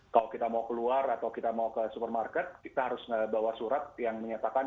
kalau kita mau keluar atau kita mau ke supermarket kita harus bawa surat yang menyatakan